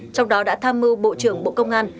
trong đó đã tham mưu bộ trưởng bộ công an